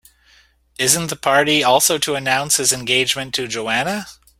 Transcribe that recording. Isn't the party also to announce his engagement to Joanna?